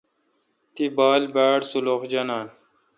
تی بال باڑسلخ جانان۔